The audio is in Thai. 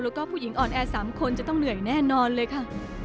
แล้วก็ผู้หญิงอ่อนแอ๓คนจะต้องเหนื่อยแน่นอนเลยค่ะ